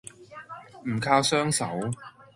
唔靠雙手